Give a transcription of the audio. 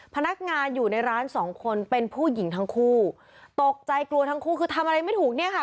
พนักงานอยู่ในร้านสองคนเป็นผู้หญิงทั้งคู่ตกใจกลัวทั้งคู่คือทำอะไรไม่ถูกเนี่ยค่ะ